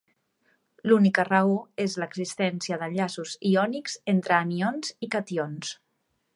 L'única raó és l'existència d'enllaços iònics entre anions i cations.